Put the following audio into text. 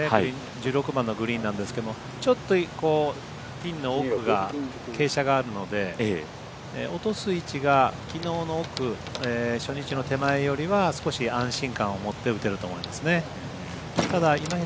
１６番のグリーンなんですけどちょっとピンの奥が傾斜があるので落とす位置がきのうの奥初日の手前よりは少し安心感を持って打てると思いますね。